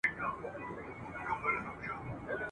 څه سړي وه څه د سپيو هم غپا سوه !.